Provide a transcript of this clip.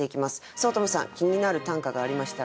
五月女さん気になる短歌がありましたらですね